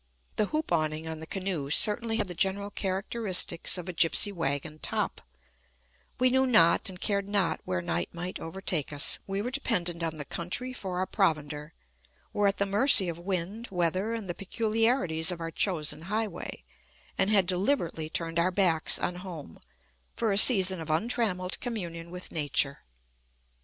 The hoop awning on the canoe certainly had the general characteristics of a gypsy wagon top; we knew not and cared not where night might overtake us; we were dependent on the country for our provender; were at the mercy of wind, weather, and the peculiarities of our chosen highway; and had deliberately turned our backs on home for a season of untrammeled communion with nature.